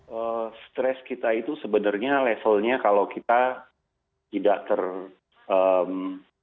ya stres kita itu sebenarnya levelnya kalau kita tidak ter